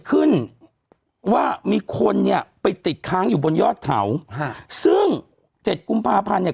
ขึ้นว่ามีคนเนี่ยไปติดค้างอยู่บนยอดเขาฮะซึ่งเจ็ดกุมภาพันธ์เนี่ย